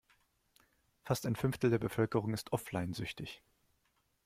Fast ein Fünftel der Bevölkerung ist offline-süchtig.